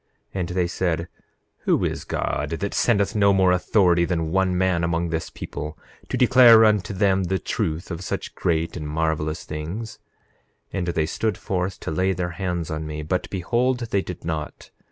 9:6 And they said: Who is God, that sendeth no more authority than one man among this people, to declare unto them the truth of such great and marvelous things? 9:7 And they stood forth to lay their hands on me; but behold, they did not.